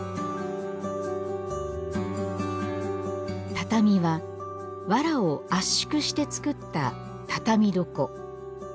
畳はわらを圧縮して作った「畳床」。